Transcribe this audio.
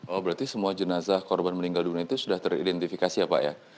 oh berarti semua jenazah korban meninggal dunia itu sudah teridentifikasi ya pak ya